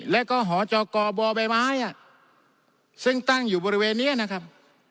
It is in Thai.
แล้วก็หจกบใบไม้ซึ่งตั้งอยู่บริเวณนี้นะครับ